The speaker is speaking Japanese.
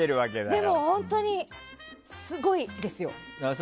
でも本当にすごいですよ。